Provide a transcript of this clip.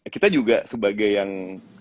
kita juga sebagai yang